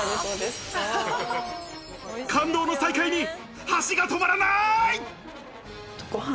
感動の再会に箸が止まらない。